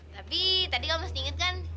tapi tadi kamu masih ingat kan